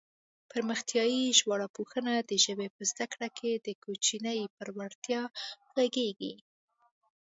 پرمختیایي ژبارواپوهنه د ژبې په زده کړه کې د کوچني پر وړتیا غږېږي